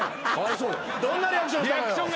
どんなリアクションしたのよ。